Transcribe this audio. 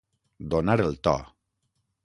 Donar el to.